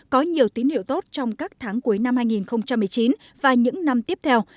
có nhiều tín hiệu tốt trong các tháng cuối năm hai nghìn một mươi chín và những năm tiếp theo